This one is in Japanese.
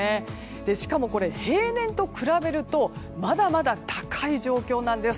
しかも、平年と比べるとまだまだ高い状況なんです。